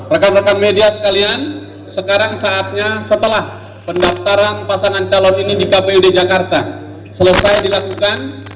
rekan rekan media sekalian sekarang saatnya setelah pendaftaran pasangan calon ini di kpud jakarta selesai dilakukan